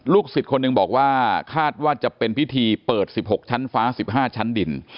สิทธิ์คนหนึ่งบอกว่าคาดว่าจะเป็นพิธีเปิด๑๖ชั้นฟ้า๑๕ชั้นดิน